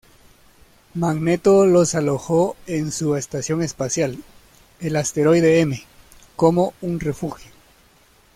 Magneto los alojó en su estación espacial, el Asteroide M, como un refugio.